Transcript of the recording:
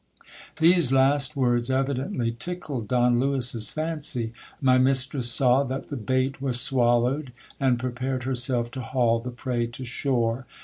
These last words evidently tickled Don Lewis's fancy. My mistress saw that the bait was swallowed, and prepared herself to haul the prey to shore.